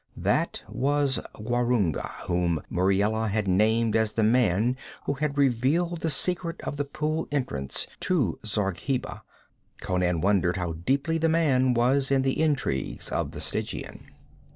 That was Gwarunga, whom Muriela had named as the man who had revealed the secret of the pool entrance to Zargheba. Conan wondered how deeply the man was in the intrigues of the Stygian.